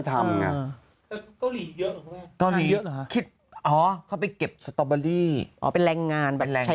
เกาหลีเดียวทุกทีอ๋อเขาไปเก็บสตอเบอร์รี่จัดเรือนก็ให้ปิด